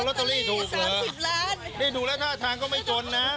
อันนี้เศรษฐกิจ